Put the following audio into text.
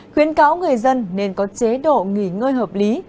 khuyến cáo người dân nên có chế độ nghỉ ngơi hợp lý